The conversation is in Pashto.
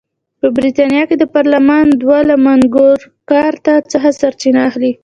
په برېټانیا کې د پارلمان دود له مګناکارتا څخه سرچینه اخیسته.